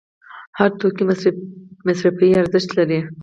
هر توکی مصرفي ارزښت لري.